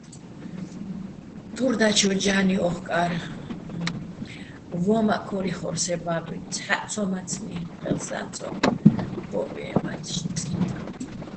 თურ დაჩო ჯა́ნი ო́ხკარ, ვო́მაჸ ქორ იხორ სე ბა́ბუჲნი̆, ცჰ̦აჸცომაცნი́ ხე́ლსაჼ ცო ვო́ჸვიენვა წი́ნი̆.